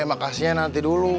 eh makasih ya nanti dulu